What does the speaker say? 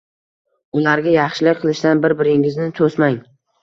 Ularga yaxshilik qilishdan bir - biringizni toʻsmang!